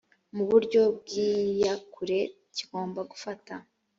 mu buryo bw iyakure kigomba gufata